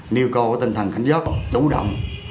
nêu cầu tinh thần khảnh giác đủ động